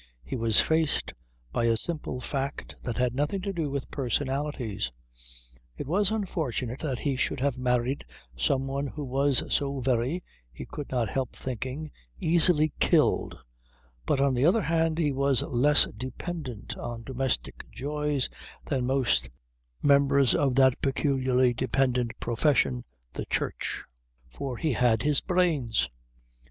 He was faced by a simple fact that had nothing to do with personalities. It was unfortunate that he should have married some one who was so very, he could not help thinking, easily killed, but on the other hand he was less dependent on domestic joys than most members of that peculiarly dependent profession, the Church, for he had his brains.